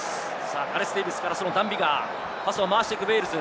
ガレス・デーヴィスからダン・ビガー、パスを回してくるウェールズ。